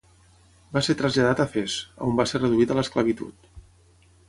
Va ser traslladat a Fes, on va ser reduït a l'esclavitud.